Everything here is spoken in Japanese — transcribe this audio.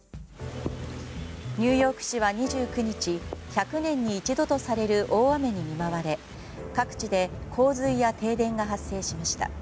ニューヨーク市は２９日１００年に一度とされる大雨に見舞われ各地で洪水や停電が発生しました。